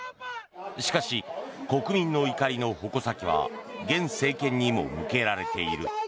しかし、国民の怒りの矛先は現政権にも向けられている。